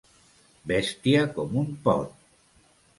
Bèstia com un pot.